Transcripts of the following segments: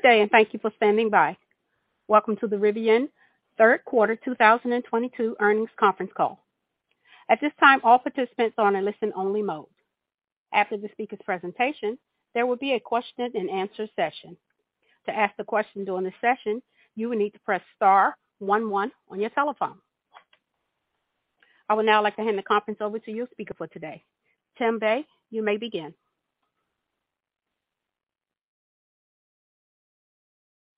Good day, and thank you for standing by. Welcome to the Rivian Q3 2022 Earnings Conference Call. At this time, all participants are in listen only mode. After the speaker's presentation, there will be a question and answer session. To ask the question during the session, you will need to press star one one on your telephone. I would now like to hand the conference over to your speaker for today. Tim Bei, you may begin.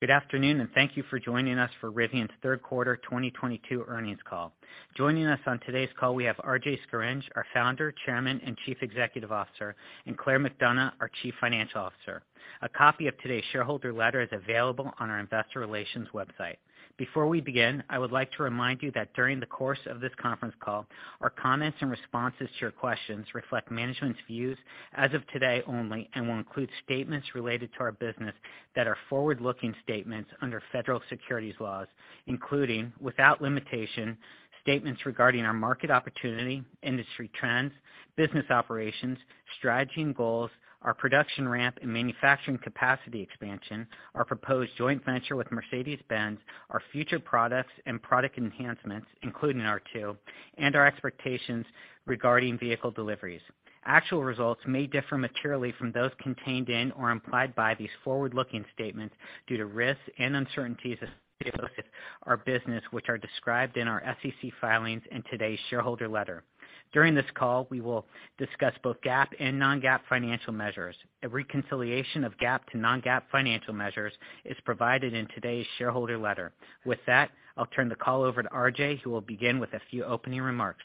Good afternoon, and thank you for joining us for Rivian's Q3 2022 Earnings Call. Joining us on today's call, we have RJ Scaringe, our Founder, Chairman, and Chief Executive Officer, and Claire McDonough, our Chief Financial Officer. A copy of today's shareholder letter is available on our investor relations website. Before we begin, I would like to remind you that during the course of this conference call, our comments and responses to your questions reflect management's views as of today only and will include statements related to our business that are forward-looking statements under Federal Securities Laws, including, without limitation, statements regarding our market opportunity, industry trends, business operations, strategy and goals, our production ramp and manufacturing capacity expansion, our proposed joint venture with Mercedes-Benz, our future products and product enhancements, including R2, and our expectations regarding vehicle deliveries. Actual results may differ materially from those contained in or implied by these forward-looking statements due to risks and uncertainties associated with our business, which are described in our SEC filings and today's shareholder letter. During this call, we will discuss both GAAP and non-GAAP financial measures. A reconciliation of GAAP to non-GAAP financial measures is provided in today's shareholder letter. With that, I'll turn the call over to RJ, who will begin with a few opening remarks.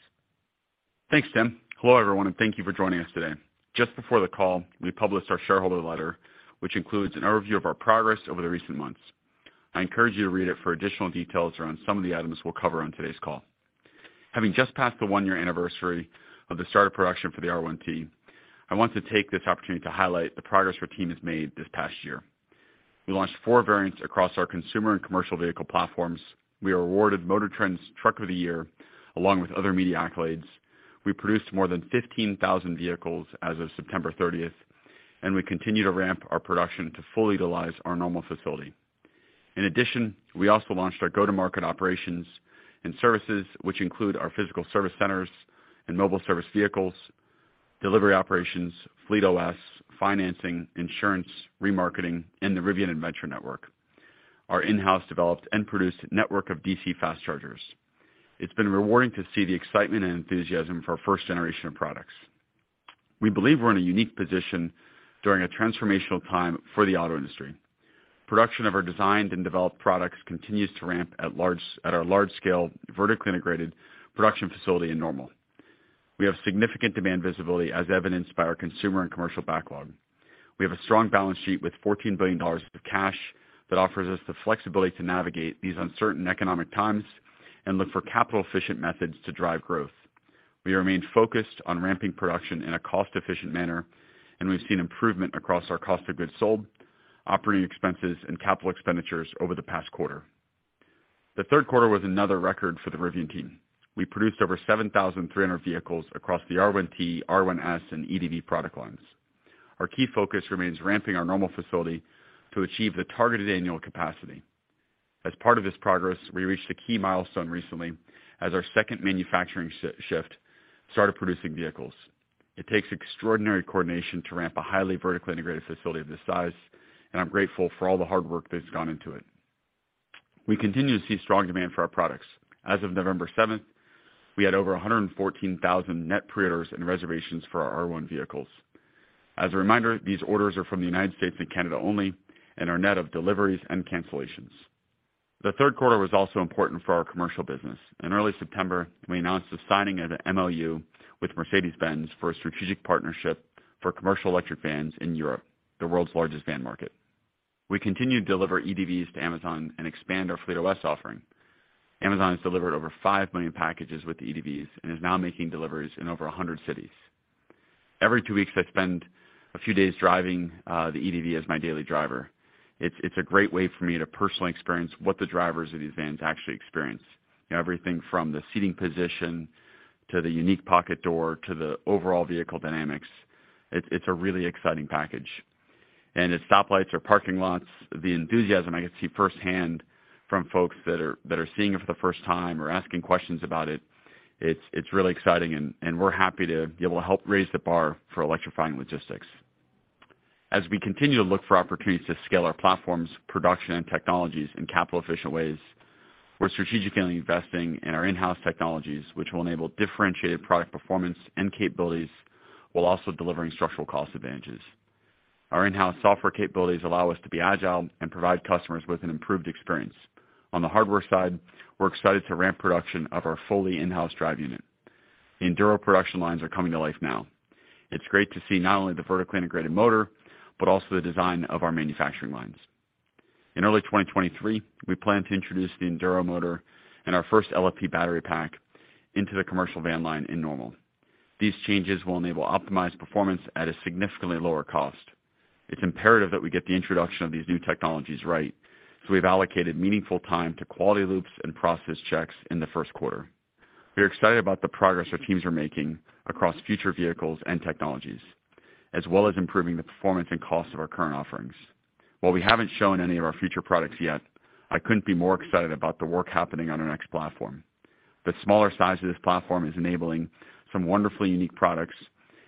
Thanks, Tim. Hello, everyone, and thank you for joining us today. Just before the call, we published our shareholder letter, which includes an overview of our progress over the recent months. I encourage you to read it for additional details around some of the items we'll cover on today's call. Having just passed the one-year anniversary of the start of production for the R1T, I want to take this opportunity to highlight the progress our team has made this past year. We launched four variants across our consumer and commercial vehicle platforms. We are awarded MotorTrend's Truck of the Year, along with other media accolades. We produced more than 15,000 vehicles as of 30 September, and we continue to ramp our production to fully utilize our Normal facility. In addition, we also launched our go-to-market operations and services, which include our physical service centers and mobile service vehicles, delivery operations, FleetOS, financing, insurance, remarketing, and the Rivian Adventure Network, our in-house developed and produced network of DC fast chargers. It's been rewarding to see the excitement and enthusiasm for our first generation of products. We believe we're in a unique position during a transformational time for the auto industry. Production of our designed and developed products continues to ramp at our large scale, vertically integrated production facility in Normal. We have significant demand visibility as evidenced by our consumer and commercial backlog. We have a strong balance sheet with $14 billion of cash that offers us the flexibility to navigate these uncertain economic times and look for capital efficient methods to drive growth. We remain focused on ramping production in a cost-efficient manner, and we've seen improvement across our cost of goods sold, operating expenses, and capital expenditures over the past quarter. The Q3 was another record for the Rivian team. We produced over 7,300 vehicles across the R1T, R1S, and EDV product lines. Our key focus remains ramping our Normal facility to achieve the targeted annual capacity. As part of this progress, we reached a key milestone recently as our second manufacturing shift started producing vehicles. It takes extraordinary coordination to ramp a highly vertically integrated facility of this size, and I'm grateful for all the hard work that's gone into it. We continue to see strong demand for our products. As of November seventh, we had over 114,000 net pre-orders and reservations for our R1 vehicles. As a reminder, these orders are from the U.S. and Canada only and are net of deliveries and cancellations. The Q3 was also important for our commercial business. In early September, we announced the signing of an MOU with Mercedes-Benz for a strategic partnership for commercial electric vans in Europe, the world's largest van market. We continue to deliver EDVs to Amazon and expand our Fleet OS offering. Amazon has delivered over five million packages with EDVs and is now making deliveries in over 100 cities. Every two weeks, I spend a few days driving the EDV as my daily driver. It's a great way for me to personally experience what the drivers of these vans actually experience. Everything from the seating position to the unique pocket door to the overall vehicle dynamics. It's a really exciting package. At stoplights or parking lots, the enthusiasm I get to see firsthand from folks that are seeing it for the first time or asking questions about it's really exciting and we're happy to be able to help raise the bar for electrifying logistics. As we continue to look for opportunities to scale our platforms, production, and technologies in capital efficient ways, we're strategically investing in our in-house technologies, which will enable differentiated product performance and capabilities while also delivering structural cost advantages. Our in-house software capabilities allow us to be agile and provide customers with an improved experience. On the hardware side, we're excited to ramp production of our fully in-house drive unit. The Enduro production lines are coming to life now. It's great to see not only the vertically integrated motor, but also the design of our manufacturing lines. In early 2023, we plan to introduce the Enduro motor and our first LFP battery pack into the commercial van line in Normal. These changes will enable optimized performance at a significantly lower cost. It's imperative that we get the introduction of these new technologies right, so we've allocated meaningful time to quality loops and process checks in the Q1. We are excited about the progress our teams are making across future vehicles and technologies, as well as improving the performance and cost of our current offerings. While we haven't shown any of our future products yet, I couldn't be more excited about the work happening on our next platform. The smaller size of this platform is enabling some wonderfully unique products,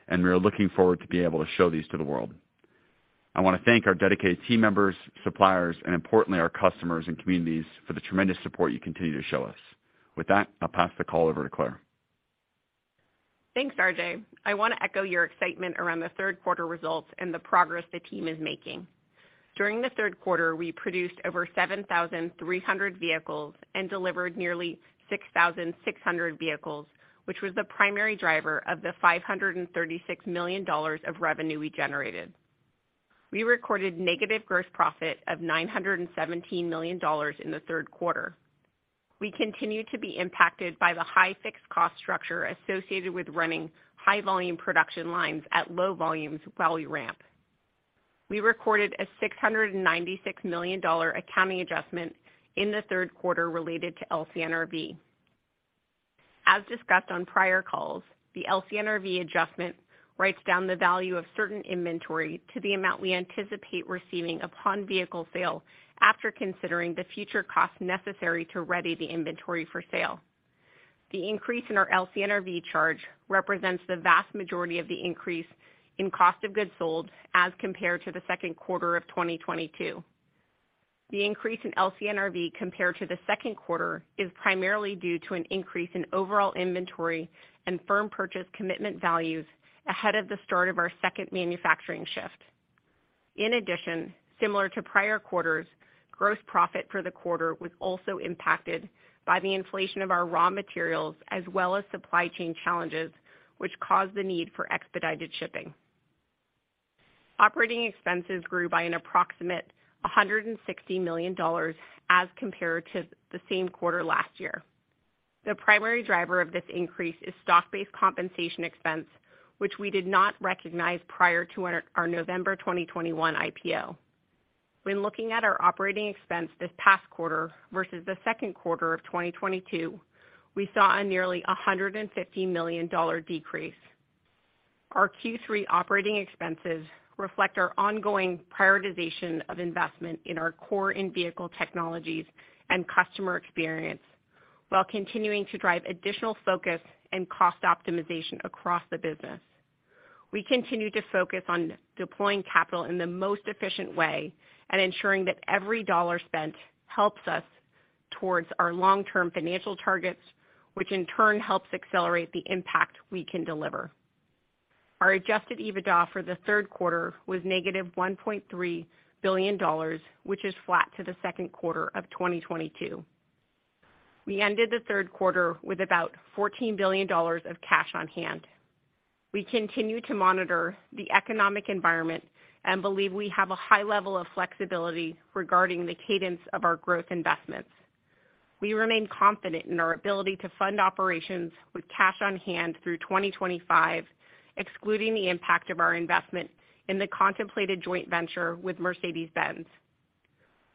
and we are looking forward to be able to show these to the world. I wanna thank our dedicated team members, suppliers, and importantly, our customers and communities for the tremendous support you continue to show us. With that, I'll pass the call over to Claire. Thanks, RJ. I wanna echo your excitement around the Q3 results and the progress the team is making. During the Q3, we produced over 7,300 vehicles and delivered nearly 6,600 vehicles, which was the primary driver of the $536 million of revenue we generated. We recorded negative gross profit of $917 million in the Q3. We continue to be impacted by the high fixed cost structure associated with running high volume production lines at low volumes while we ramp. We recorded a $696 million accounting adjustment in the Q3 related to LCNRV. As discussed on prior calls, the LCNRV adjustment writes down the value of certain inventory to the amount we anticipate receiving upon vehicle sale after considering the future costs necessary to ready the inventory for sale. The increase in our LCNRV charge represents the vast majority of the increase in cost of goods sold as compared to the Q2 of 2022. The increase in LCNRV compared to the Q2 primarily due to an increase in overall inventory and firm purchase commitment values ahead of the start of our second manufacturing shift. In addition, similar to prior quarters, gross profit for the quarter was also impacted by the inflation of our raw materials as well as supply chain challenges, which caused the need for expedited shipping. Operating expenses grew by an approximate $160 million as compared to the same quarter last year. The primary driver of this increase is stock-based compensation expense, which we did not recognize prior to our November 2021 IPO. When looking at our operating expense this past quarter versus the Q2 of 2022, we saw a nearly $150 million decrease. Our Q3 operating expenses reflect our ongoing prioritization of investment in our core in-vehicle technologies and customer experience while continuing to drive additional focus and cost optimization across the business. We continue to focus on deploying capital in the most efficient way and ensuring that every dollar spent helps us towards our long-term financial targets, which in turn helps accelerate the impact we can deliver. Our adjusted EBITDA for the Q3 was negative $1.3 billion, which is flat to the Q2 of 2022. We ended the Q3 with about $14 billion of cash on hand. We continue to monitor the economic environment and believe we have a high level of flexibility regarding the cadence of our growth investments. We remain confident in our ability to fund operations with cash on hand through 2025, excluding the impact of our investment in the contemplated joint venture with Mercedes-Benz.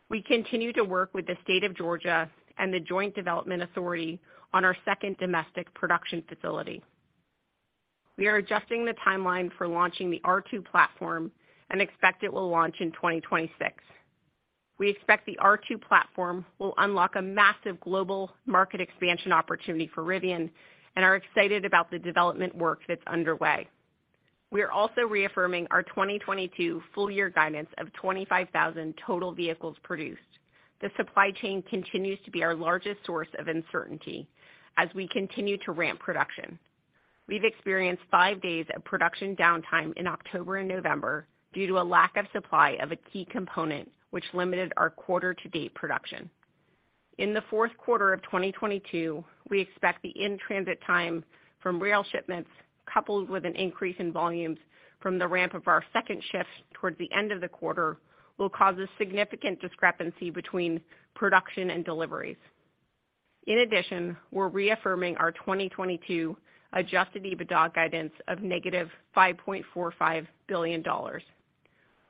We continue to work with the state of Georgia and the Joint Development Authority on our second domestic production facility. We are adjusting the timeline for launching the R2 platform and expect it will launch in 2026. We expect the R2 platform will unlock a massive global market expansion opportunity for Rivian and are excited about the development work that's underway. We are also reaffirming our 2022 full year guidance of 25,000 total vehicles produced. The supply chain continues to be our largest source of uncertainty as we continue to ramp production. We've experienced five days of production downtime in October and November due to a lack of supply of a key component, which limited our quarter to date production. In the Q4 of 2022, we expect the in-transit time from rail shipments, coupled with an increase in volumes from the ramp of our second shift towards the end of the quarter, will cause a significant discrepancy between production and deliveries. In addition, we're reaffirming our 2022 adjusted EBITDA guidance of -$5.45 billion.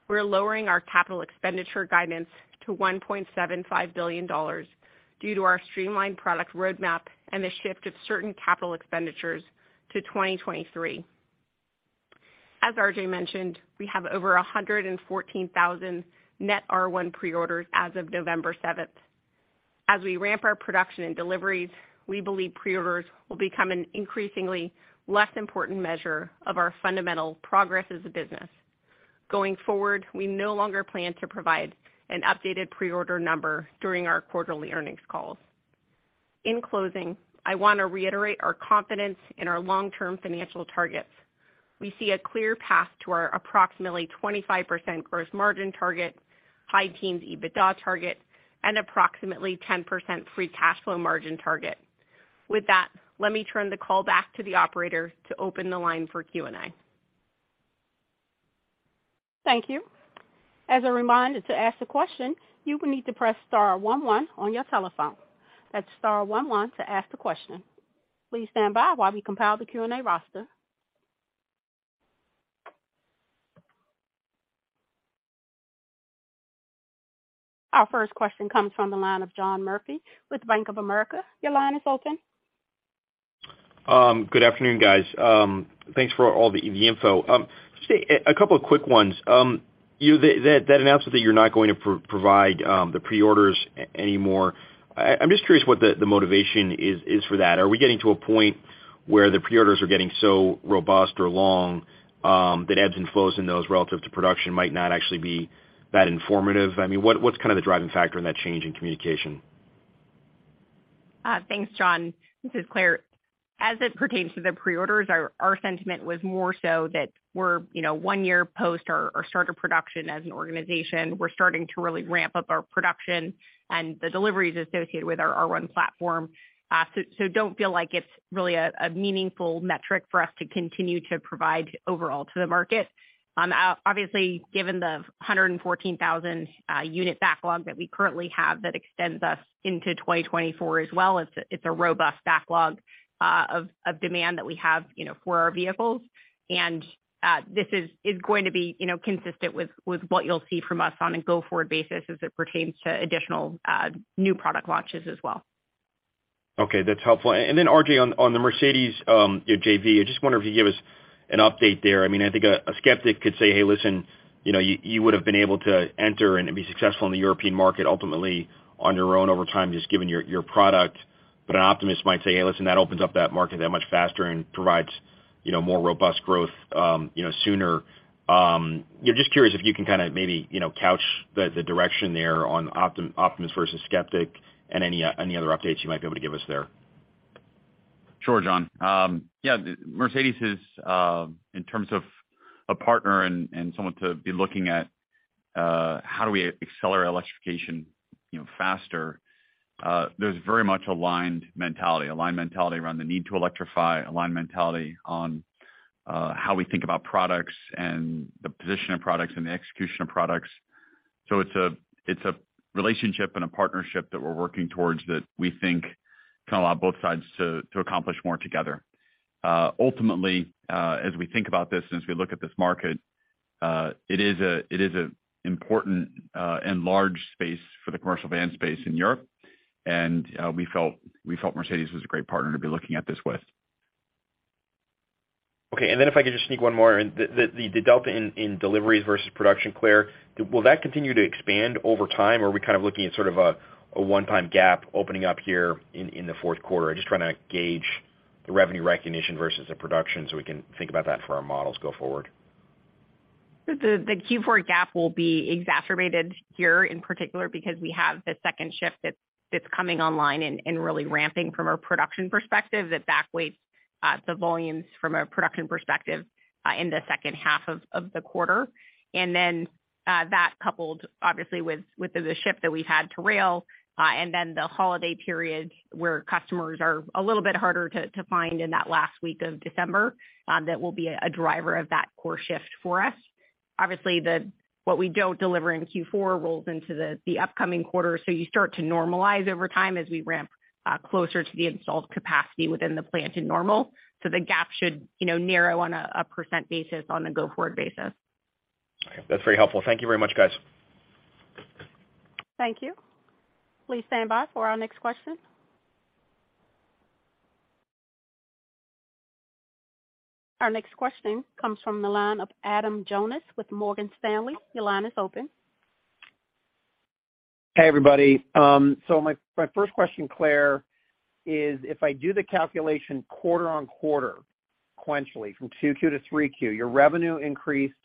We're lowering our capital expenditure guidance to $1.75 billion due to our streamlined product roadmap and the shift of certain capital expenditures to 2023. As RJ mentioned, we have over 114,000 net R1 pre-orders as of November seventh. As we ramp our production and deliveries, we believe pre-orders will become an increasingly less important measure of our fundamental progress as a business. Going forward, we no longer plan to provide an updated pre-order number during our quarterly earnings calls. In closing, I wanna reiterate our confidence in our long-term financial targets. We see a clear path to our approximately 25% gross margin target, high teens EBITDA target, and approximately 10% free cash flow margin target. With that, let me turn the call back to the operator to open the line for Q&A. Thank you. As a reminder, to ask a question, you will need to press star one one on your telephone. That's star one one to ask a question. Please stand by while we compile the Q&A roster. Our first question comes from the line of John Murphy with Bank of America. Your line is open. Good afternoon, guys. Thanks for all the info. Just a couple of quick ones. That announcement that you're not going to provide the pre-orders anymore, I'm just curious what the motivation is for that. Are we getting to a point where the pre-orders are getting so robust or long that ebbs and flows in those relative to production might not actually be that informative? I mean, what's kind of the driving factor in that change in communication? Thanks, John. This is Claire. As it pertains to the pre-orders, our sentiment was more so that we're, you know, one year post our start of production as an organization. We're starting to really ramp up our production and the deliveries associated with our R1 platform. So don't feel like it's really a meaningful metric for us to continue to provide overall to the market. Obviously, given the 114,000 unit backlog that we currently have that extends us into 2024 as well, it's a robust backlog of demand that we have, you know, for our vehicles. This is going to be, you know, consistent with what you'll see from us on a go-forward basis as it pertains to additional new product launches as well. Okay, that's helpful. Then, RJ, on the Mercedes, you know, JV, I just wonder if you give us an update there. I mean, I think a skeptic could say, "Hey, listen, you know, you would've been able to enter and be successful in the European market ultimately on your own over time, just given your product." An optimist might say, "Hey, listen, that opens up that market that much faster and provides, you know, more robust growth, you know, sooner." You know, just curious if you can kinda maybe, you know, couch the direction there on optimist versus skeptic and any other updates you might be able to give us there. Sure, John. Yeah, Mercedes-Benz is in terms of a partner and someone to be looking at how do we accelerate electrification, you know, faster. There's very much aligned mentality. Aligned mentality around the need to electrify, aligned mentality on how we think about products and the position of products and the execution of products. It's a relationship and a partnership that we're working towards that we think can allow both sides to accomplish more together. Ultimately, as we think about this and as we look at this market, it is an important and large space for the commercial van space in Europe, and we felt Mercedes-Benz was a great partner to be looking at this with. Okay. If I could just sneak one more in. The delta in deliveries versus production, Claire, will that continue to expand over time, or are we kind of looking at sort of a one-time gap opening up here in the Q4? I'm just trying to gauge the revenue recognition versus the production, so we can think about that for our models go forward. The Q4 gap will be exacerbated here in particular because we have the second shift that's coming online and really ramping from a production perspective that backweights the volumes from a production perspective in the second half of the quarter. Then that coupled obviously with the shipment that we've had to rail and then the holiday period where customers are a little bit harder to find in that last week of December, that will be a driver of that Q4 shift for us. Obviously, what we don't deliver in Q4 rolls into the upcoming quarter, so you start to normalize over time as we ramp closer to the installed capacity within the plant in Normal. The gap should, you know, narrow on a percent basis on a go-forward basis. That's very helpful. Thank you very much, guys. Thank you. Please stand by for our next question. Our next question comes from the line of Adam Jonas with Morgan Stanley. Your line is open. Hey, everybody. My first question, Claire, is if I do the calculation quarter-on-quarter sequentially from Q2 to Q3, your revenue increased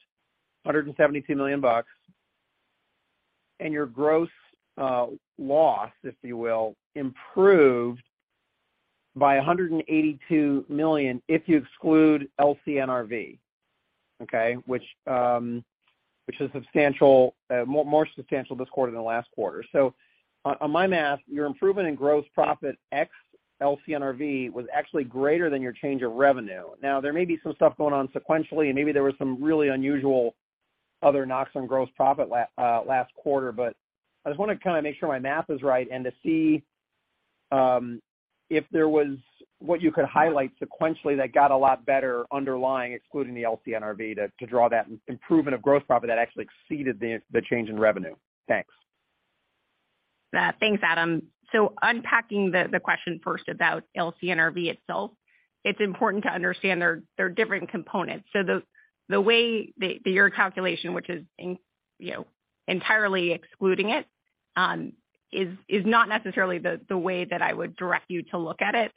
$172 million and your gross loss, if you will, improved by $182 million if you exclude LCNRV. Okay? Which is substantial, more substantial this quarter than last quarter. On my math, your improvement in gross profit ex LCNRV was actually greater than your change of revenue. Now, there may be some stuff going on sequentially, and maybe there was some really unusual other knocks on gross profit last quarter, but I just wanna kinda make sure my math is right and to see if there was what you could highlight sequentially that got a lot better underlying, excluding the LCNRV to draw that improvement of gross profit that actually exceeded the change in revenue. Thanks. Thanks, Adam. Unpacking the question first about LCNRV itself, it's important to understand there are different components. The way your calculation, which is, you know, entirely excluding it, is not necessarily the way that I would direct you to look at it.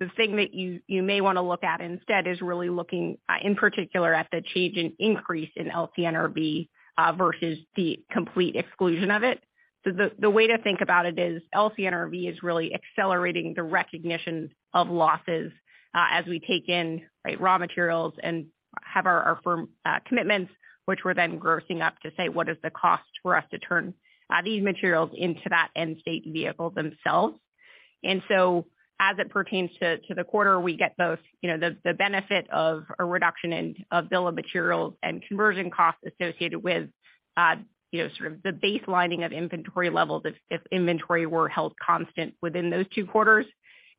The thing that you may wanna look at instead is really looking in particular at the change in increase in LCNRV versus the complete exclusion of it. The way to think about it is LCNRV is really accelerating the recognition of losses as we take in, right, raw materials and have our firm commitments, which we're then grossing up to say what is the cost for us to turn these materials into that end-state vehicle themselves. As it pertains to the quarter, we get both, you know, the benefit of a reduction in bill of materials and conversion costs associated with, you know, sort of the baselining of inventory levels if inventory were held constant within those two quarters.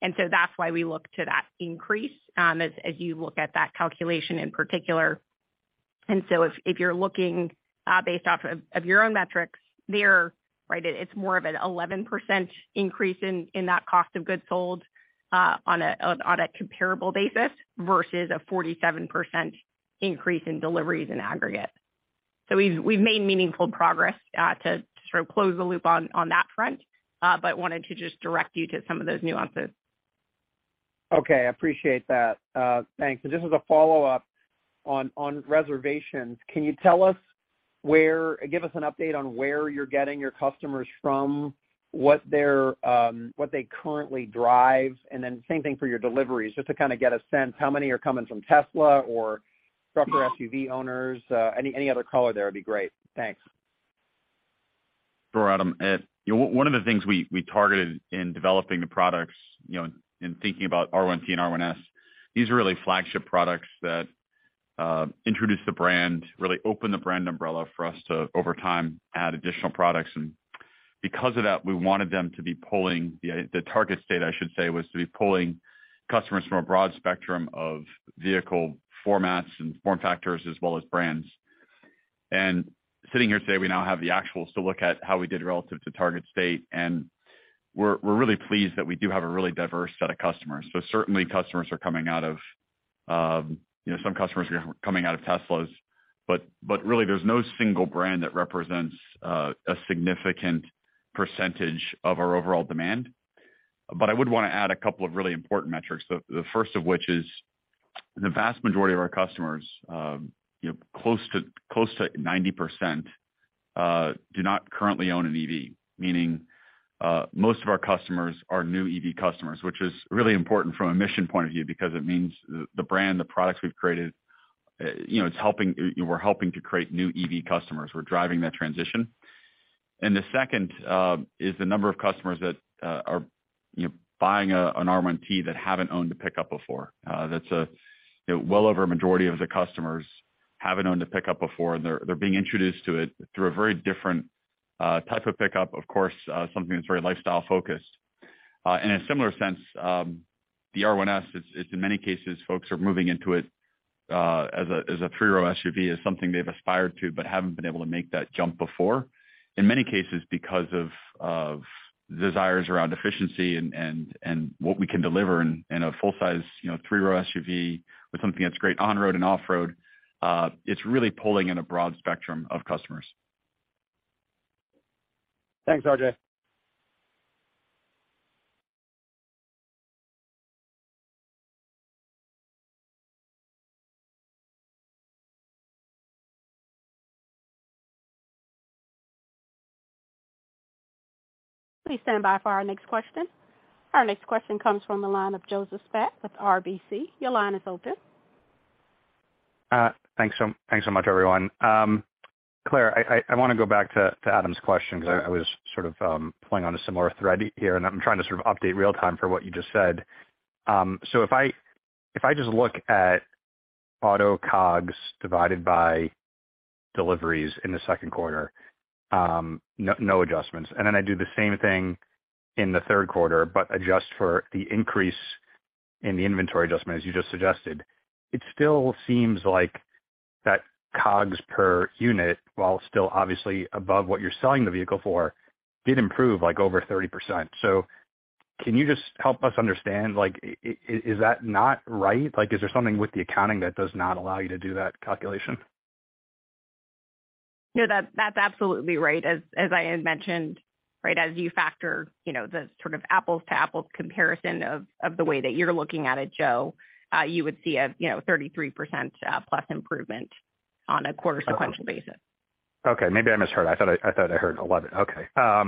That's why we look to that increase, as you look at that calculation in particular. If you're looking, based off of your own metrics there, right, it's more of an 11% increase in that cost of goods sold, on a comparable basis versus a 47% increase in deliveries in aggregate. We've made meaningful progress to sort of close the loop on that front, but wanted to just direct you to some of those nuances. Okay. I appreciate that. Thanks. Just as a follow-up on reservations, give us an update on where you're getting your customers from? What they currently drive? And then same thing for your deliveries, just to kind of get a sense how many are coming from Tesla or truck or SUV owners, any other color there would be great. Thanks. Sure, Adam. You know, one of the things we targeted in developing the products, you know, in thinking about R1T and R1S, these are really flagship products that introduce the brand, really open the brand umbrella for us to, over time, add additional products. Because of that, we wanted them to be pulling the target state, I should say, was to be pulling customers from a broad spectrum of vehicle formats and form factors as well as brands. Sitting here today, we now have the actuals to look at how we did relative to target state. We're really pleased that we do have a really diverse set of customers. Certainly customers are coming out of, you know, some customers are coming out of Teslas, but really there's no single brand that represents a significant percentage of our overall demand. I would wanna add a couple of really important metrics. The first of which is the vast majority of our customers, you know, close to 90%, do not currently own an EV. Meaning most of our customers are new EV customers, which is really important from a mission point of view because it means the brand, the products we've created, you know, we're helping to create new EV customers. We're driving that transition. The second is the number of customers that, you know, are buying an R1T that haven't owned a pickup before. That's well over a majority of the customers haven't owned a pickup before, and they're being introduced to it through a very different type of pickup, of course, something that's very lifestyle focused. In a similar sense, the R1S is in many cases folks are moving into it as a three-row SUV, as something they've aspired to but haven't been able to make that jump before. In many cases because of desires around efficiency and what we can deliver in a full-size, you know, three-row SUV with something that's great on-road and off-road. It's really pulling in a broad spectrum of customers. Thanks, RJ. Please stand by for our next question. Our next question comes from the line of Joseph Spak with RBC. Your line is open. Thanks so much, everyone. Claire, I wanna go back to Adam's question 'cause I was sort of pulling on a similar thread here, and I'm trying to sort of update real-time for what you just said. If I just look at auto COGS divided by deliveries in the Q2, no adjustments, and then I do the same thing in the Q3, but adjust for the increase in the inventory adjustment, as you just suggested, it still seems like that COGS per unit, while still obviously above what you're selling the vehicle for, did improve like over 30%. Can you just help us understand, like, is that not right? Like, is there something with the accounting that does not allow you to do that calculation? No, that's absolutely right. As I had mentioned, right, as you factor, you know, the sort of apples to apples comparison of the way that you're looking at it, Joe, you would see a, you know, 33% plus improvement on a quarter sequential basis. Okay. Maybe I misheard. I thought I heard 11%. Okay. Is that?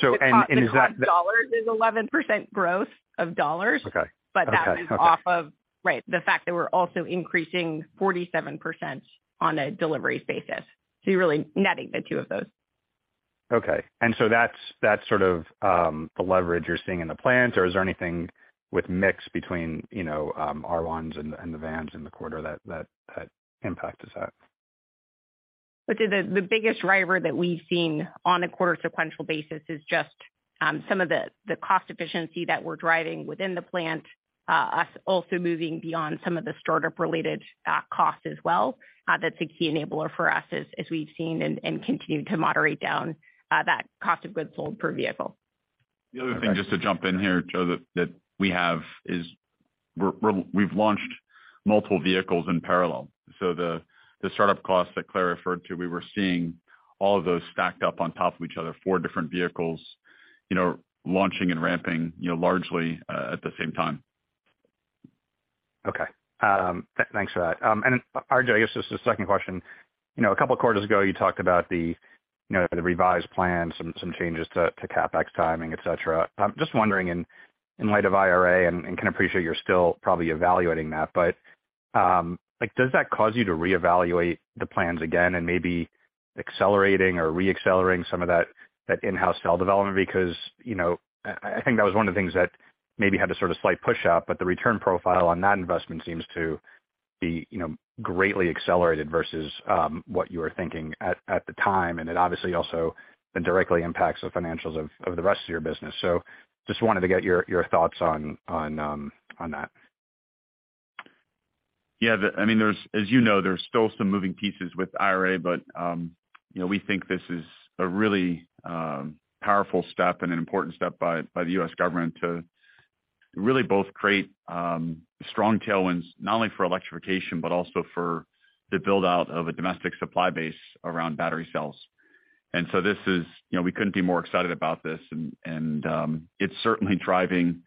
The cost in dollars is 11% growth of dollars. Okay. That is off of, right, the fact that we're also increasing 47% on a deliveries basis. You're really netting the two of those. That's sort of the leverage you're seeing in the plant or is there anything with mix between, you know, R1s and the vans in the quarter that impact is that? The biggest driver that we've seen on a quarter sequential basis is just some of the cost efficiency that we're driving within the plant, as also moving beyond some of the startup related costs as well. That's a key enabler for us as we've seen and continue to moderate down that cost of goods sold per vehicle. The other thing, just to jump in here, Joe, that we have is we've launched multiple vehicles in parallel. The startup costs that Claire referred to, we were seeing all of those stacked up on top of each other, four different vehicles, you know, launching and ramping, you know, largely at the same time. Okay. Thanks for that. RJ, I guess just a second question. You know, a couple of quarters ago, you talked about the, you know, the revised plans, some changes to CapEx timing, et cetera. I'm just wondering in light of IRA and can appreciate you're still probably evaluating that, but like, does that cause you to reevaluate the plans again and maybe accelerating or re-accelerating some of that in-house cell development? Because, you know, I think that was one of the things that maybe had a sort of slight push up, but the return profile on that investment seems to be, you know, greatly accelerated versus what you were thinking at the time. It obviously also then directly impacts the financials of the rest of your business. Just wanted to get your thoughts on that. Yeah, I mean, as you know, there's still some moving pieces with IRA, but, you know, we think this is a really powerful step and an important step by the U.S. government to really both create strong tailwinds not only for electrification but also for the build out of a domestic supply base around battery cells. This is, you know, we couldn't be more excited about this. It's certainly driving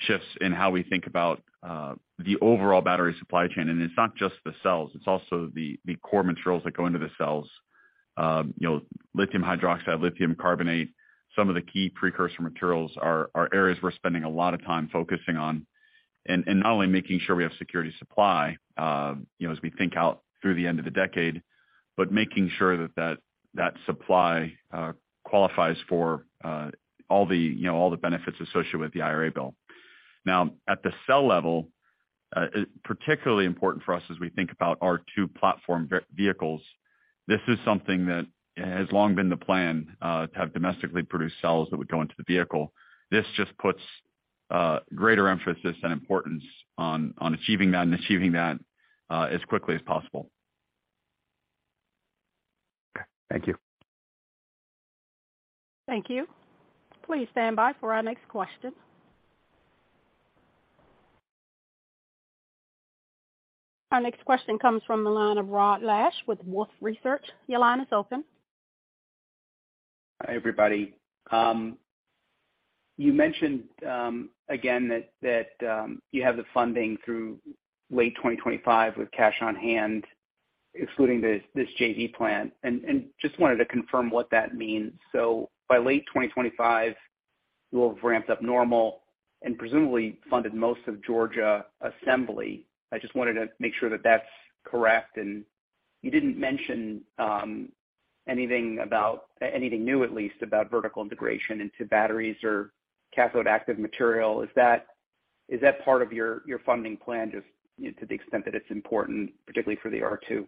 shifts in how we think about the overall battery supply chain. It's not just the cells, it's also the core materials that go into the cells. You know, lithium hydroxide, lithium carbonate. Some of the key precursor materials are areas we're spending a lot of time focusing on. Not only making sure we have secure supply, you know, as we think ahead through the end of the decade, but making sure that supply qualifies for, you know, all the benefits associated with the IRA bill. Now, at the cell level, particularly important for us as we think about our two platform vehicles. This is something that has long been the plan to have domestically produced cells that would go into the vehicle. This just puts greater emphasis and importance on achieving that as quickly as possible. Okay. Thank you. Thank you. Please stand by for our next question. Our next question comes from the line of Rod Lache with Wolfe Research. Your line is open. Hi, everybody. You mentioned again that you have the funding through late 2025 with cash on hand, excluding this JV plan. Just wanted to confirm what that means. By late 2025, you will have ramped up normal and presumably funded most of Georgia assembly. I just wanted to make sure that that's correct. You didn't mention anything new, at least, about vertical integration into batteries or cathode active material. Is that part of your funding plan, just, you know, to the extent that it's important, particularly for the R2?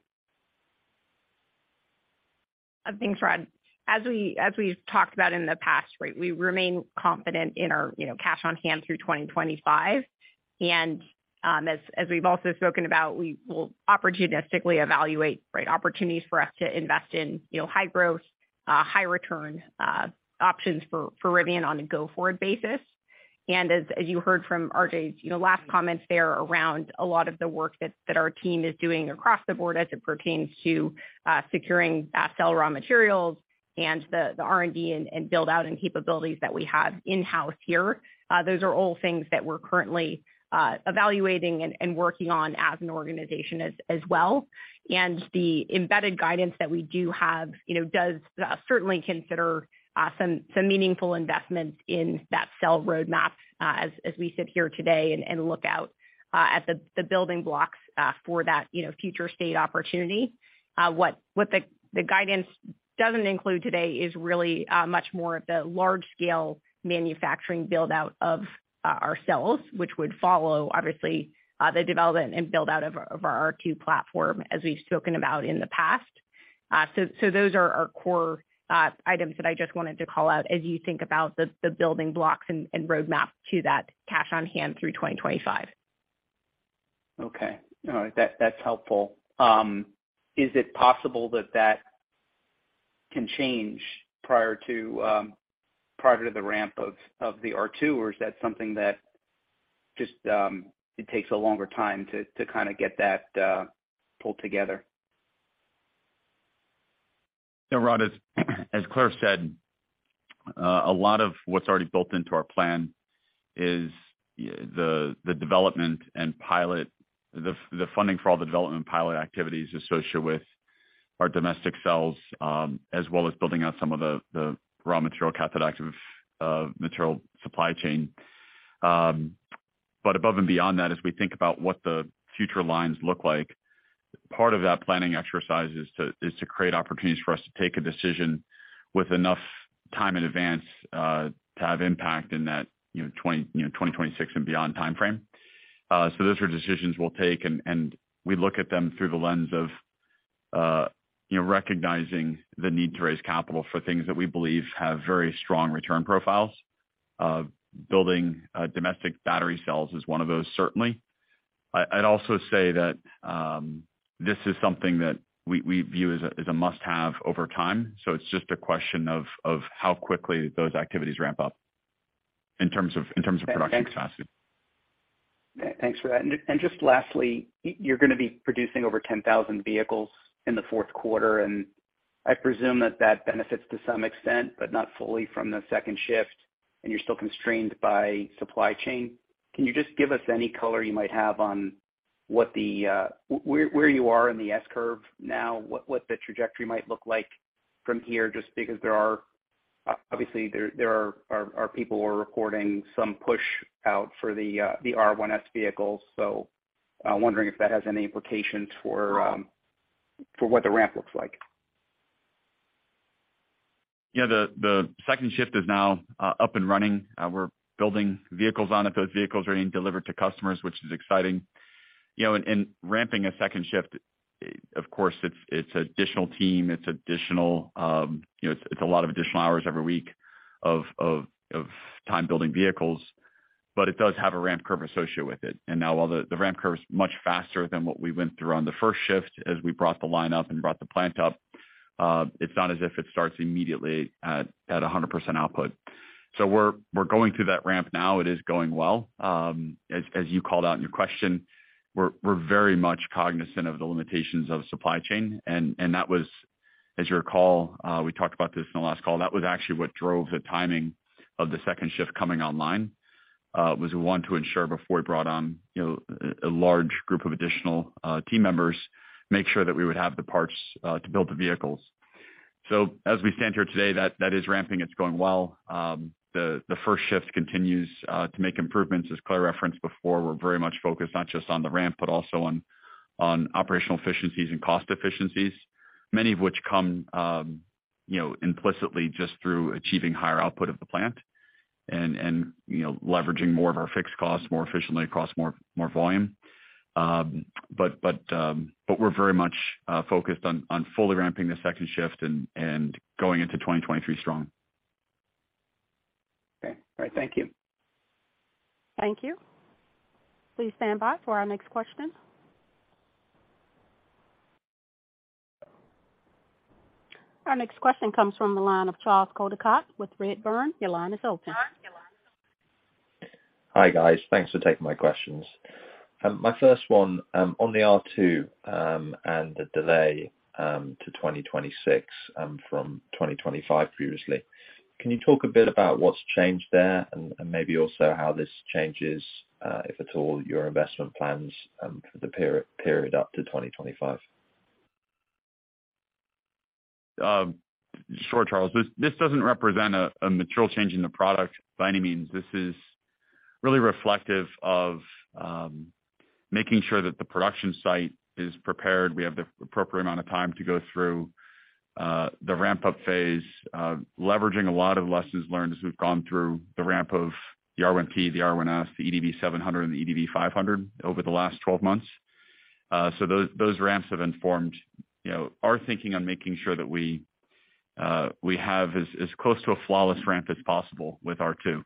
Thanks, Rod. As we've talked about in the past, right, we remain confident in our, you know, cash on hand through 2025. As we've also spoken about, we will opportunistically evaluate, right, opportunities for us to invest in, you know, high growth, high return, options for Rivian on a go-forward basis. As you heard from RJ's, you know, last comments there around a lot of the work that our team is doing across the board as it pertains to securing that cell raw materials and the R&D and build out and capabilities that we have in-house here. Those are all things that we're currently evaluating and working on as an organization as well. The embedded guidance that we do have, you know, does certainly consider some meaningful investments in that cell roadmap, as we sit here today and look out at the building blocks for that, you know, future state opportunity. What the guidance doesn't include today is really much more of the large scale manufacturing build out of our cells, which would follow obviously the development and build out of our R2 platform, as we've spoken about in the past. So those are our core items that I just wanted to call out as you think about the building blocks and roadmap to that cash on hand through 2025. Okay. All right. That's helpful. Is it possible that that can change prior to the ramp of the R2, or is that something that just it takes a longer time to kind of get that pulled together? Yeah, Rod, as Claire said, a lot of what's already built into our plan is the development and pilot funding for all the development and pilot activities associated with our domestic cells, as well as building out some of the raw material, cathode active material supply chain. Above and beyond that, as we think about what the future lines look like, part of that planning exercise is to create opportunities for us to take a decision with enough time in advance to have impact in that, you know, 2026 and beyond timeframe. Those are decisions we'll take, and we look at them through the lens of, you know, recognizing the need to raise capital for things that we believe have very strong return profiles. Building domestic battery cells is one of those, certainly. I'd also say that this is something that we view as a must-have over time. It's just a question of how quickly those activities ramp up in terms of production capacity. Thanks for that. Just lastly, you're gonna be producing over 10,000 vehicles in the Q4, and I presume that benefits to some extent, but not fully from the second shift, and you're still constrained by supply chain. Can you just give us any color you might have on what the where you are in the S-curve now? What the trajectory might look like from here, just because there are obviously there are people who are reporting some push out for the R1S vehicles. Wondering if that has any implications for what the ramp looks like. Yeah, the second shift is now up and running. We're building vehicles on it. Those vehicles are being delivered to customers, which is exciting. You know, and ramping a second shift, of course, it's additional team, it's additional, you know, it's a lot of additional hours every week of time building vehicles. But it does have a ramp curve associated with it. Now while the ramp curve is much faster than what we went through on the first shift as we brought the line up and brought the plant up, it's not as if it starts immediately at 100% output. We're going through that ramp now. It is going well. As you called out in your question, we're very much cognizant of the limitations of supply chain. That was, as you recall, we talked about this in the last call. That was actually what drove the timing of the second shift coming online, was we want to ensure before we brought on, you know, a large group of additional team members, make sure that we would have the parts to build the vehicles. As we stand here today, that is ramping. It's going well. The first shift continues to make improvements. As Claire referenced before, we're very much focused not just on the ramp, but also on operational efficiencies and cost efficiencies, many of which come, you know, implicitly just through achieving higher output of the plant and, you know, leveraging more of our fixed costs more efficiently across more volume. We're very much focused on fully ramping the second shift and going into 2023 strong. Okay. All right. Thank you. Thank you. Please stand by for our next question. Our next question comes from the line of Charles Coldicott with Redburn. Your line is open. Hi, guys. Thanks for taking my questions. My first one on the R2 and the delay to 2026 from 2025 previously. Can you talk a bit about what's changed there and maybe also how this changes, if at all, your investment plans for the period up to 2025? Sure, Charles. This doesn't represent a material change in the product by any means. This is really reflective of making sure that the production site is prepared. We have the appropriate amount of time to go through the ramp-up phase, leveraging a lot of lessons learned as we've gone through the ramp of the R1T, the R1S, the EDV 700 and the EDV 500 over the last 12 months. Those ramps have informed, you know, our thinking on making sure that we have as close to a flawless ramp as possible with R2.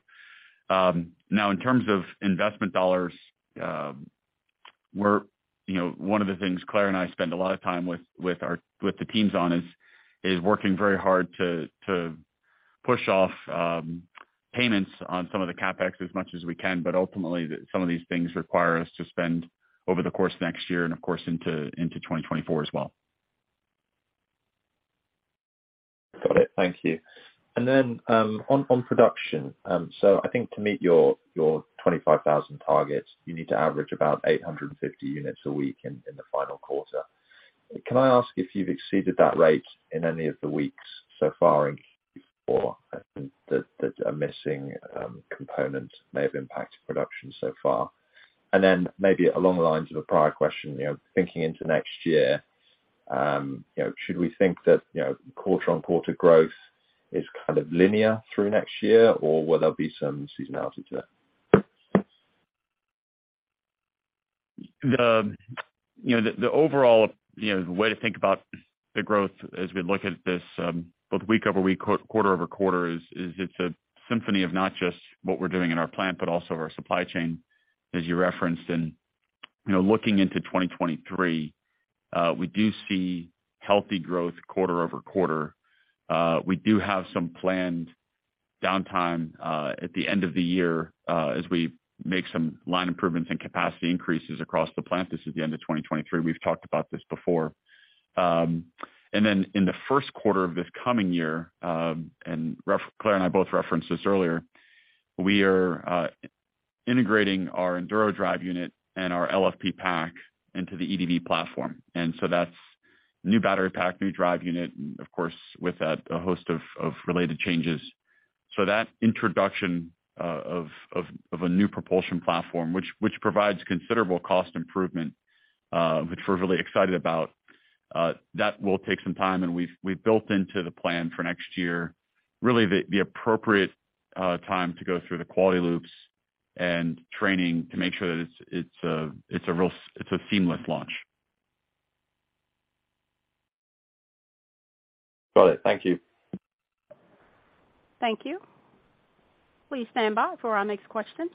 Now, in terms of investment dollars, you know, one of the things Claire and I spend a lot of time with the teams on is working very hard to push off payments on some of the CapEx as much as we can, but ultimately some of these things require us to spend over the course of next year and of course, into 2024 as well. Got it. Thank you. On production. I think to meet your 25,000 targets, you need to average about 850 units a week in the final quarter. Can I ask if you've exceeded that rate in any of the weeks so far in Q4? I think that a missing component may have impacted production so far. Maybe along the lines of a prior question, you know, thinking into next year, you know, should we think that, you know, quarter-on-quarter growth is kind of linear through next year or will there be some seasonality to it? The overall way to think about the growth as we look at this, both week-over-week, quarter-over-quarter is it's a symphony of not just what we're doing in our plant, but also our supply chain, as you referenced. You know, looking into 2023, we do see healthy growth quarter-over-quarter. We do have some planned downtime at the end of the year as we make some line improvements and capacity increases across the plant. This is the end of 2023. We've talked about this before. In the Q1 of this coming year, Claire and I both referenced this earlier, we are integrating our Enduro drive unit and our LFP pack into the EDV platform. That's new battery pack, new drive unit, and of course, with that, a host of related changes. That introduction of a new propulsion platform, which provides considerable cost improvement, which we're really excited about, that will take some time. We've built into the plan for next year, really the appropriate time to go through the quality loops and training to make sure that it's a seamless launch. Got it. Thank you. Thank you. Please stand by for our next question.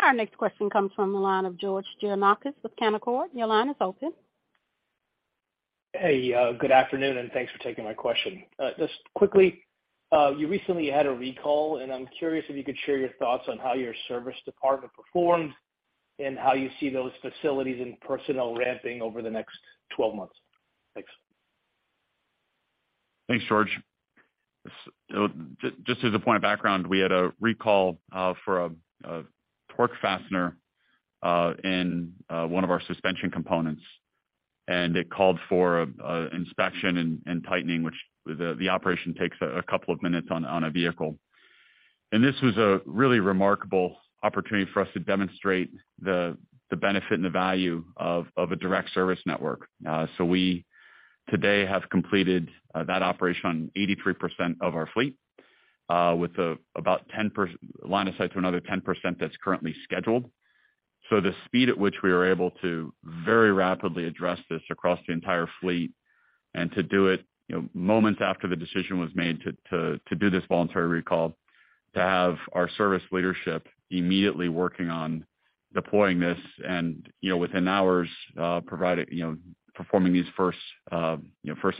Our next question comes from the line of George Gianarikas with Canaccord Genuity. Your line is open. Hey, good afternoon, and thanks for taking my question. Just quickly, you recently had a recall, and I'm curious if you could share your thoughts on how your service department performed and how you see those facilities and personnel ramping over the next 12 months. Thanks. Thanks, George. Just as a point of background, we had a recall for a torque fastener in one of our suspension components, and it called for inspection and tightening, which the operation takes a couple of minutes on a vehicle. This was a really remarkable opportunity for us to demonstrate the benefit and the value of a direct service network. We today have completed that operation on 83% of our fleet with about ten line of sight to another 10% that's currently scheduled. The speed at which we are able to very rapidly address this across the entire fleet and to do it, you know, moments after the decision was made to do this voluntary recall, to have our service leadership immediately working on deploying this and, you know, within hours, providing, you know, performing these first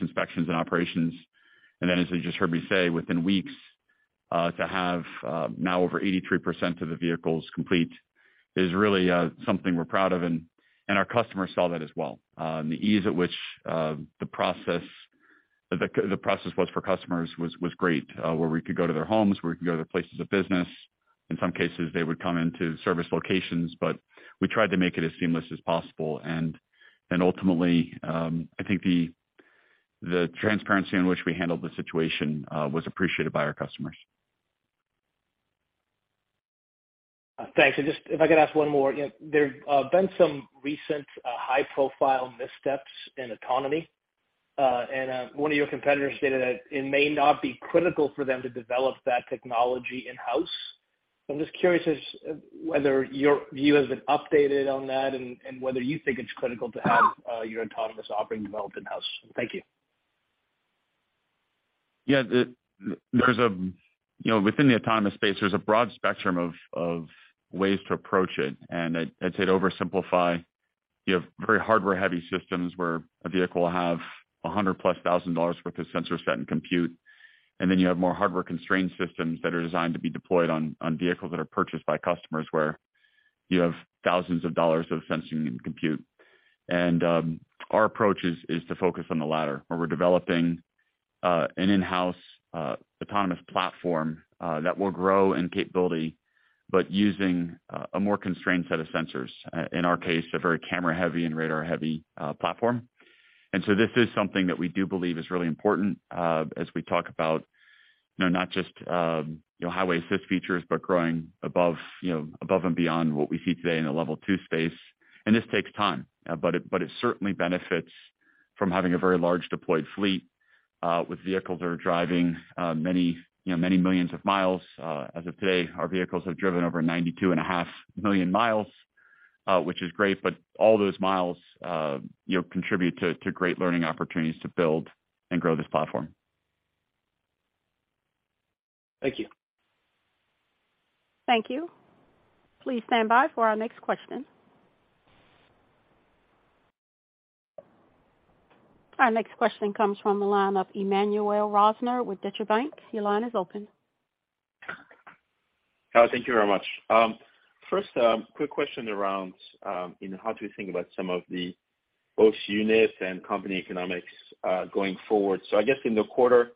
inspections and operations. Then as you just heard me say, within weeks, to have now over 83% of the vehicles complete is really something we're proud of, and our customers saw that as well. The ease at which the process was for customers was great, where we could go to their homes, where we could go to their places of business. In some cases, they would come into service locations, but we tried to make it as seamless as possible. Ultimately, I think the transparency in which we handled the situation was appreciated by our customers. Thanks. Just if I could ask one more. You know, there have been some recent high-profile missteps in autonomy, and one of your competitors stated that it may not be critical for them to develop that technology in-house. I'm just curious whether your view has been updated on that and whether you think it's critical to have your autonomous offering developed in-house. Thank you. Yeah. There's, you know, within the autonomous space, a broad spectrum of ways to approach it. I'd say to oversimplify, you have very hardware-heavy systems where a vehicle will have $100,000+ worth of sensor set and compute. You have more hardware-constrained systems that are designed to be deployed on vehicles that are purchased by customers, where you have thousands of dollars of sensing and compute. Our approach is to focus on the latter, where we're developing an in-house autonomous platform that will grow in capability, but using a more constrained set of sensors. In our case, a very camera-heavy and radar-heavy platform. This is something that we do believe is really important, as we talk about, you know, not just, you know, highway assist features, but growing above, you know, above and beyond what we see today in the Level 2 space. This takes time, but it certainly benefits from having a very large deployed fleet, with vehicles that are driving many, you know, many millions of miles. As of today, our vehicles have driven over 92.5 million miles, which is great. All those miles, you know, contribute to great learning opportunities to build and grow this platform. Thank you. Thank you. Please stand by for our next question. Our next question comes from the line of Emmanuel Rosner with Deutsche Bank. Your line is open. Thank you very much. First, quick question around, you know, how do you think about some of the both unit and company economics, going forward? I guess in the quarter,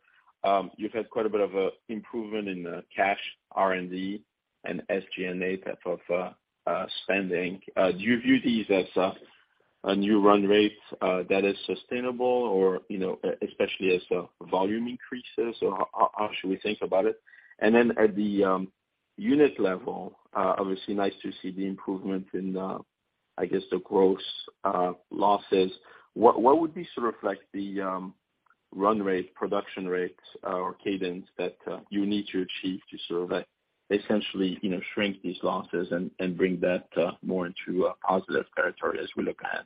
you've had quite a bit of improvement in cash, R&D and SG&A type of spending. Do you view these as a new run rate that is sustainable or, you know, especially as volume increases, or how should we think about it? At the unit level, obviously nice to see the improvement in, I guess, the gross losses. What would be sort of like the run rate, production rates, or cadence that you need to achieve to sort of essentially, you know, shrink these losses and bring that more into a positive territory as we look ahead?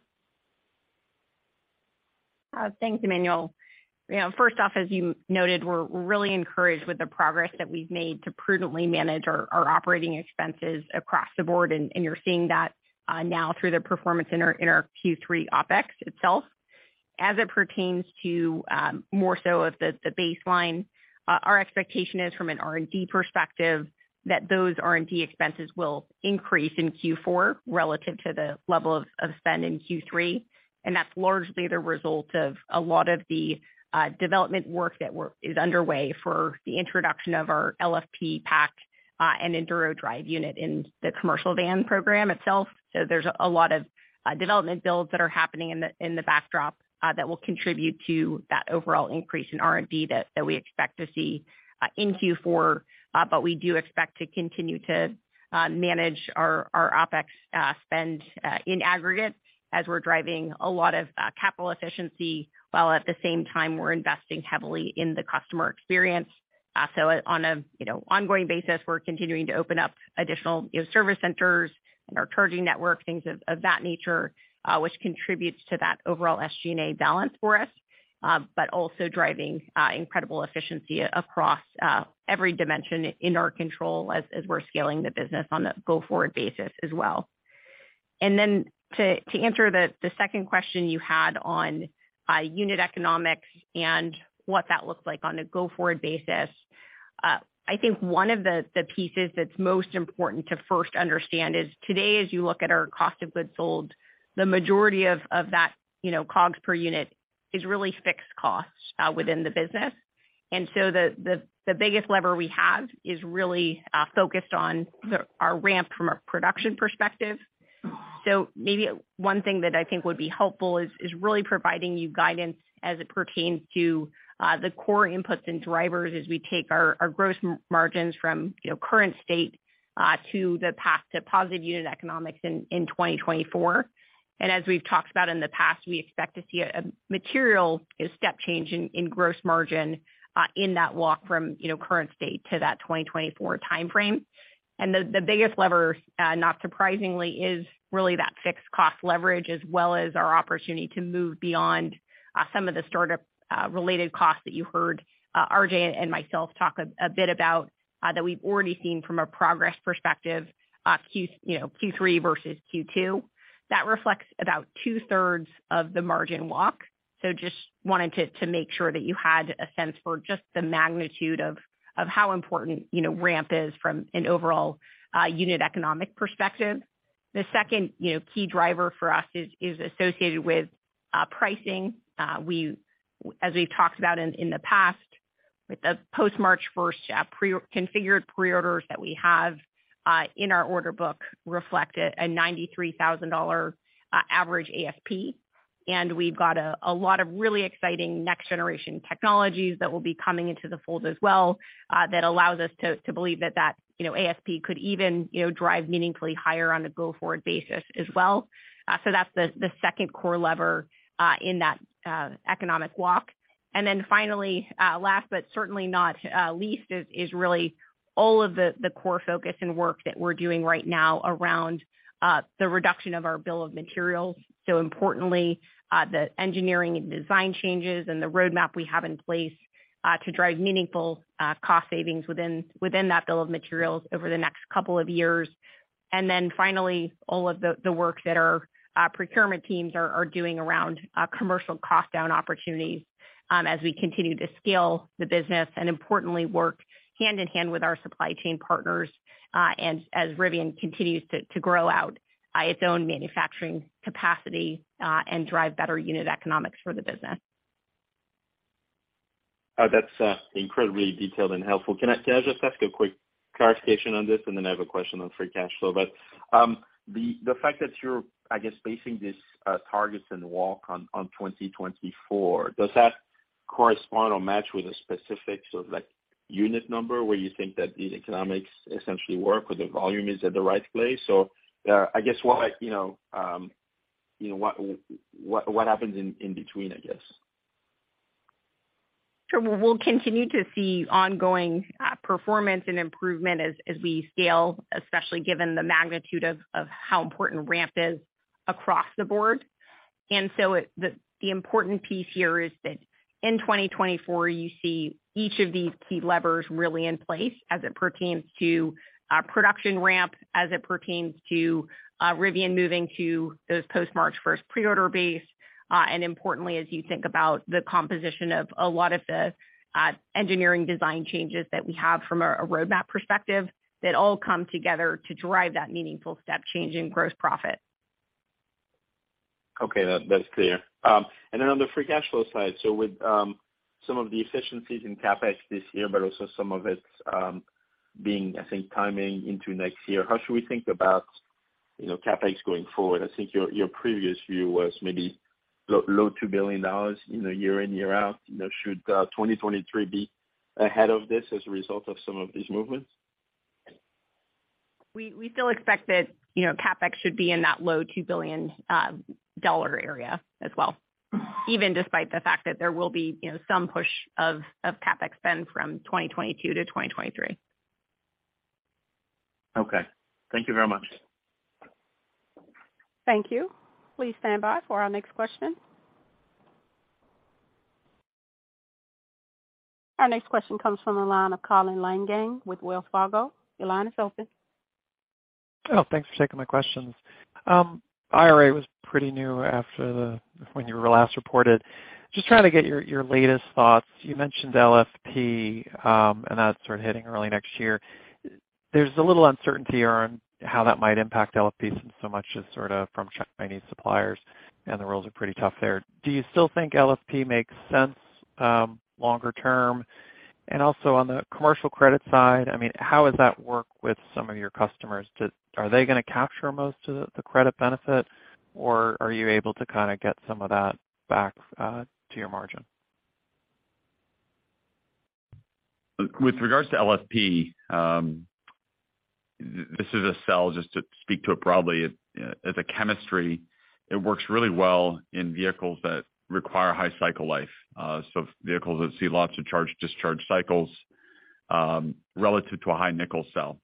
Thanks, Emmanuel. You know, first off, as you noted, we're really encouraged with the progress that we've made to prudently manage our operating expenses across the board. You're seeing that now through the performance in our Q3 OpEx itself. As it pertains to more so of the baseline, our expectation is from an R&D perspective that those R&D expenses will increase in Q4 relative to the level of spend in Q3. That's largely the result of a lot of the development work that is underway for the introduction of our LFP pack and Enduro drive unit in the commercial van program itself. There's a lot of development builds that are happening in the backdrop that will contribute to that overall increase in R&D that we expect to see in Q4. But we do expect to continue to manage our OpEx spend in aggregate as we're driving a lot of capital efficiency, while at the same time we're investing heavily in the customer experience. On a you know ongoing basis, we're continuing to open up additional you know service centers and our charging network, things of that nature, which contributes to that overall SG&A balance for us. But also driving incredible efficiency across every dimension in our control as we're scaling the business on a go-forward basis as well. To answer the second question you had on unit economics and what that looks like on a go-forward basis. I think one of the pieces that's most important to first understand is today, as you look at our cost of goods sold, the majority of that, you know, COGS per unit is really fixed costs within the business. The biggest lever we have is really focused on our ramp from a production perspective. Maybe one thing that I think would be helpful is really providing you guidance as it pertains to the core inputs and drivers as we take our gross margins from, you know, current state to the path to positive unit economics in 2024. As we've talked about in the past, we expect to see a material step change in gross margin in that walk from current state to that 2024 timeframe. The biggest lever, not surprisingly, is really that fixed cost leverage, as well as our opportunity to move beyond some of the startup related costs that you heard RJ and myself talk a bit about, that we've already seen from a progress perspective, Q3 versus Q2. That reflects about two-thirds of the margin walk. Just wanted to make sure that you had a sense for just the magnitude of how important ramp is from an overall unit economic perspective. The second key driver for us is associated with pricing. As we've talked about in the past, with the post-March first pre-configured pre-orders that we have in our order book reflect a $93,000 average ASP. We've got a lot of really exciting next generation technologies that will be coming into the fold as well, that allows us to believe that you know ASP could even you know drive meaningfully higher on a go-forward basis as well. So that's the second core lever in that economic walk. Then finally last but certainly not least is really all of the core focus and work that we're doing right now around the reduction of our bill of materials. Importantly, the engineering and design changes and the roadmap we have in place to drive meaningful cost savings within that bill of materials over the next couple of years. Then finally, all of the work that our procurement teams are doing around commercial cost down opportunities, as we continue to scale the business, and importantly, work hand-in-hand with our supply chain partners, and as Rivian continues to grow out its own manufacturing capacity, and drive better unit economics for the business. That's incredibly detailed and helpful. Can I just ask a quick clarification on this, and then I have a question on free cash flow. The fact that you're, I guess, basing these targets and walk on 2024, does that correspond or match with a specific sort of like unit number where you think that these economics essentially work or the volume is at the right place? I guess what you know what happens in between, I guess? Sure. We'll continue to see ongoing performance and improvement as we scale, especially given the magnitude of how important ramp is across the board. The important piece here is that in 2024, you see each of these key levers really in place as it pertains to production ramp, as it pertains to Rivian moving to those post-March first pre-order base. Importantly, as you think about the composition of a lot of the engineering design changes that we have from a roadmap perspective that all come together to drive that meaningful step change in gross profit. Okay. That's clear. On the free cash flow side, so with some of the efficiencies in CapEx this year, but also some of it being, I think, timing into next year, how should we think about, you know, CapEx going forward? I think your previous view was maybe low $2 billion, you know, year in, year out. You know, should 2023 be ahead of this as a result of some of these movements? We still expect that, you know, CapEx should be in that low $2 billion area as well, even despite the fact that there will be, you know, some push of CapEx spend from 2022 to 2023. Okay. Thank you very much. Thank you. Please stand by for our next question. Our next question comes from the line of Colin Langan with Wells Fargo. Your line is open. Oh, thanks for taking my questions. IRA was pretty new when you were last reported. Just trying to get your latest thoughts. You mentioned LFP, and that's sort of hitting early next year. There's a little uncertainty around how that might impact LFP since so much is sorta from Chinese suppliers, and the rules are pretty tough there. Do you still think LFP makes sense longer term? Also on the commercial credit side, I mean, how does that work with some of your customers? Are they gonna capture most of the credit benefit, or are you able to kinda get some of that back to your margin? With regards to LFP, this is a cell just to speak to it broadly. As a chemistry, it works really well in vehicles that require high cycle life. Vehicles that see lots of charge-discharge cycles relative to a high nickel cell.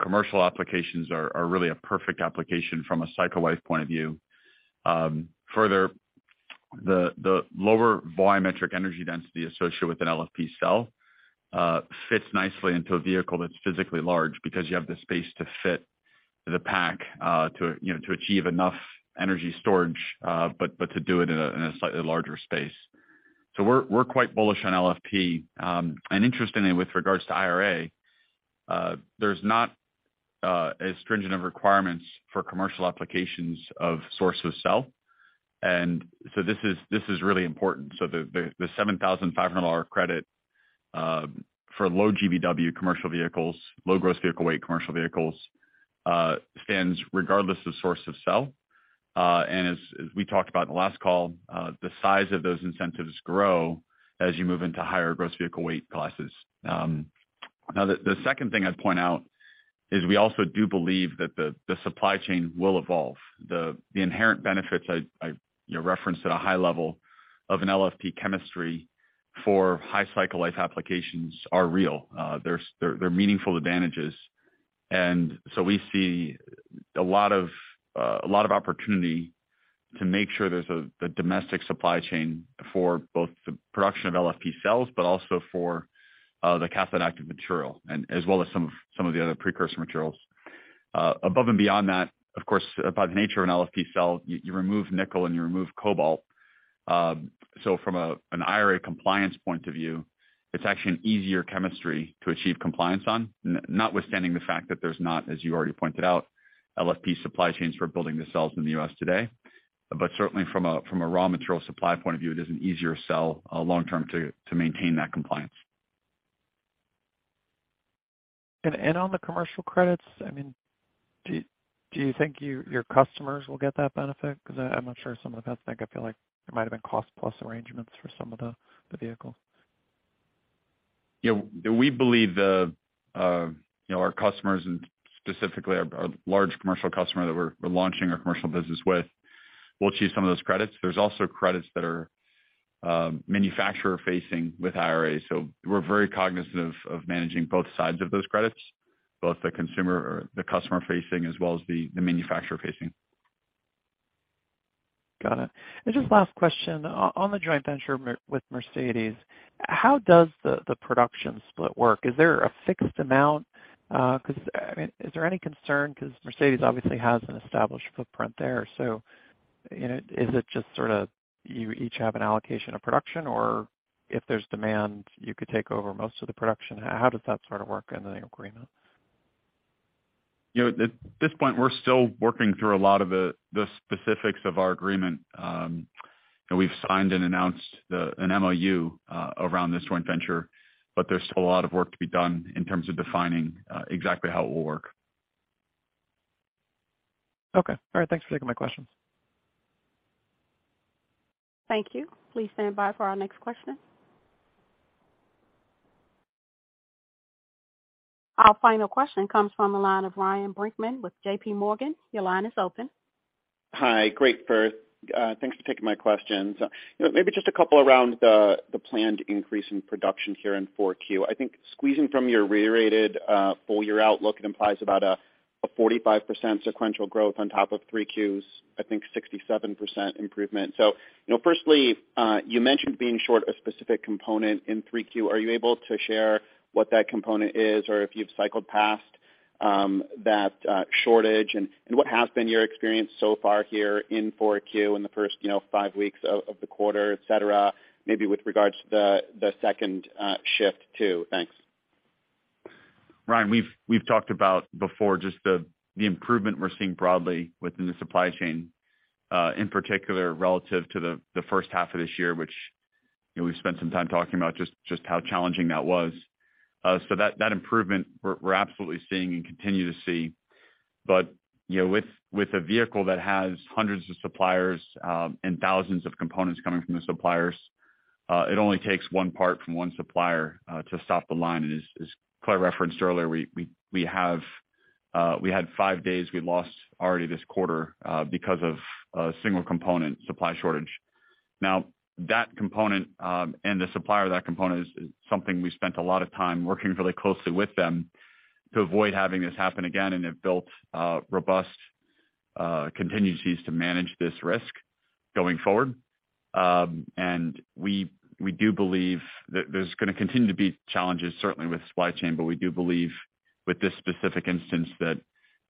Commercial applications are really a perfect application from a cycle life point of view. Further, the lower volumetric energy density associated with an LFP cell fits nicely into a vehicle that's physically large because you have the space to fit the pack, to you know, to achieve enough energy storage, but to do it in a slightly larger space. We're quite bullish on LFP. Interestingly, with regards to IRA, there's not as stringent requirements for commercial applications or sourcing of cells. This is really important. The $7,500 credit for low GVW commercial vehicles, low gross vehicle weight commercial vehicles, stands regardless of source of sale. As we talked about in the last call, the size of those incentives grow as you move into higher gross vehicle weight classes. Now the second thing I'd point out is we also do believe that the supply chain will evolve. The inherent benefits you know referenced at a high level of an LFP chemistry for high cycle life applications are real. There are meaningful advantages. We see a lot of opportunity to make sure there's the domestic supply chain for both the production of LFP cells, but also for the cathode active material and as well as some of the other precursor materials. Above and beyond that, of course, by the nature of an LFP cell, you remove nickel and you remove cobalt. So from an IRA compliance point of view, it's actually an easier chemistry to achieve compliance on, notwithstanding the fact that there's not, as you already pointed out, LFP supply chains for building the cells in the U.S. today. Certainly from a raw material supply point of view, it is an easier sell long term to maintain that compliance. On the commercial credits, I mean, do you think your customers will get that benefit? Because I'm not sure some of the cuts make. I feel like it might have been cost plus arrangements for some of the vehicles. Yeah, we believe the, you know, our customers and specifically our large commercial customer that we're launching our commercial business with will achieve some of those credits. There's also credits that are, manufacturer-facing with IRA. We're very cognizant of managing both sides of those credits, both the consumer or the customer-facing as well as the manufacturer-facing. Got it. Just last question. On the joint venture with Mercedes, how does the production split work? Is there a fixed amount? 'Cause, I mean, is there any concern because Mercedes obviously has an established footprint there, so, you know, is it just sort of you each have an allocation of production, or if there's demand, you could take over most of the production? How does that sort of work in the agreement? You know, at this point, we're still working through a lot of the specifics of our agreement. You know, we've signed and announced an MOU around this joint venture, but there's still a lot of work to be done in terms of defining exactly how it will work. Okay. All right, thanks for taking my questions. Thank you. Please stand by for our next question. Our final question comes from the line of Ryan Brinkman with J.P. Morgan. Your line is open. Hi. Great, first, thanks for taking my questions. You know, maybe just a couple around the planned increase in production here in Q4. I think squeezing from your reiterated full year outlook, it implies about a 45% sequential growth on top of Q3's, I think 67% improvement. You know, firstly, you mentioned being short a specific component in Q3. Are you able to share what that component is or if you've cycled past that shortage? What has been your experience so far here in Q4 in the first, you know, five weeks of the quarter, et cetera, maybe with regards to the second shift too? Thanks. Ryan, we've talked about before just the improvement we're seeing broadly within the supply chain, in particular relative to the first half of this year, which you know we've spent some time talking about just how challenging that was. That improvement we're absolutely seeing and continue to see. You know, with a vehicle that has hundreds of suppliers and thousands of components coming from the suppliers, it only takes one part from one supplier to stop the line. As Claire referenced earlier, we had five days we lost already this quarter because of a single component supply shortage. Now, that component and the supplier of that component is something we spent a lot of time working really closely with them to avoid having this happen again and have built robust contingencies to manage this risk going forward. We do believe that there's gonna continue to be challenges, certainly with supply chain, but we do believe with this specific instance that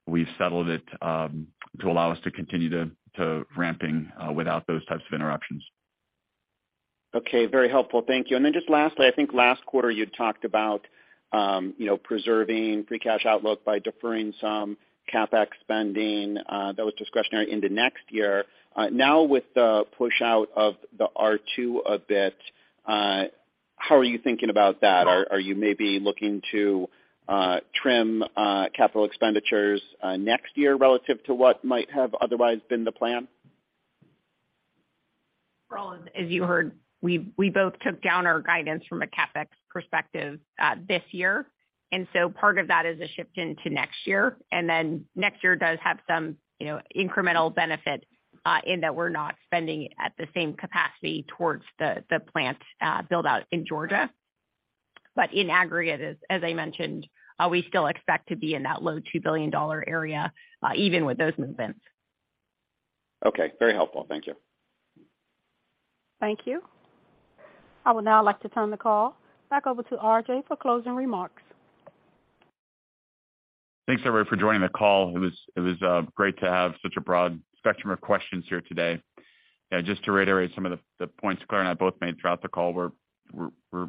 we've settled it to allow us to continue to ramping without those types of interruptions. Okay. Very helpful. Thank you. Just lastly, I think last quarter you talked about, you know, preserving free cash outlook by deferring some CapEx spending that was discretionary into next year. Now with the push out of the R2 a bit, how are you thinking about that? Are you maybe looking to trim capital expenditures next year relative to what might have otherwise been the plan? Ryan, as you heard, we both took down our guidance from a CapEx perspective this year. Part of that is a shift into next year. Next year does have some, you know, incremental benefit in that we're not spending at the same capacity towards the plant build out in Georgia. In aggregate, as I mentioned, we still expect to be in that low $2 billion area even with those movements. Okay. Very helpful. Thank you. Thank you. I would now like to turn the call back over to RJ for closing remarks. Thanks, everybody, for joining the call. It was great to have such a broad spectrum of questions here today. Yeah, just to reiterate some of the points Claire and I both made throughout the call, we're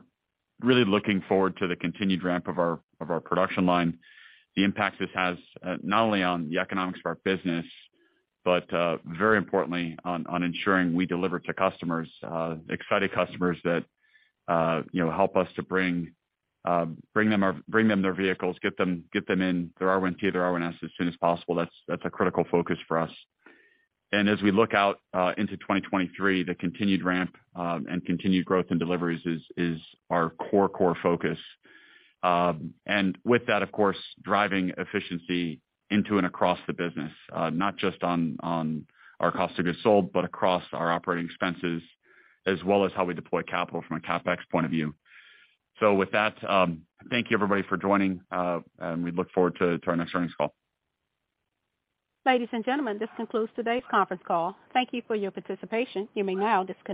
really looking forward to the continued ramp of our production line. The impact this has not only on the economics of our business, but very importantly on ensuring we deliver to customers excited customers that you know help us to bring them their vehicles, get them in their R1T or their R1S as soon as possible. That's a critical focus for us. As we look out into 2023, the continued ramp and continued growth in deliveries is our core focus. With that, of course, driving efficiency into and across the business, not just on our cost of goods sold, but across our operating expenses as well as how we deploy capital from a CapEx point of view. With that, thank you everybody for joining, and we look forward to our next Earnings Call. Ladies and gentlemen, this concludes today's conference call. Thank you for your participation. You may now disconnect.